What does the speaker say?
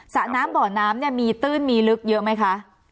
สระน้ำบ่อน้ำเนี่ยมีตื้นมีลึกเยอะไหมคะ